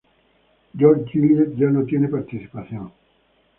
George Gillett ya no tiene participación.